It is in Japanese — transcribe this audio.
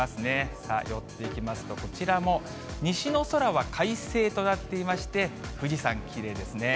さあ、寄っていきますと、こちらも西の空は快晴となっていまして、富士山、きれいですね。